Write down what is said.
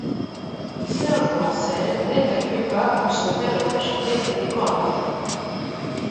Serge Lancel naît à Cuba où son père est architecte-décorateur.